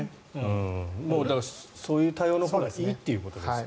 だからそういう対応のほうがいいってことですね。